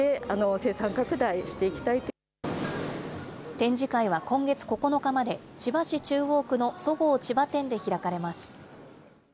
展示会は今月９日まで、千葉市中央区のそごう千葉店で開かれます。